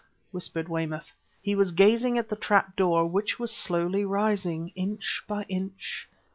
whispered Weymouth. He was gazing at the trapdoor which was slowly rising; inch by inch